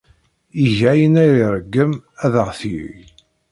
Iga ayen ay iṛeggem ad aɣ-t-yeg.